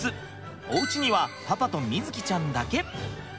おうちにはパパと瑞己ちゃんだけ。